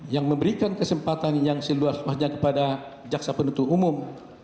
yang memberikan kesempatan yang seluas luasnya kepada jaksa penuntut umum